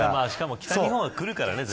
北日本は絶対来るからね。